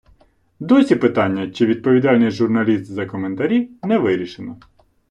Досі питання, чи відповідальний журналіст за коментарі, не вирішено.